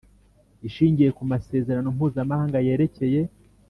Ishingiye ku Masezerano Mpuzamahanga yerekeye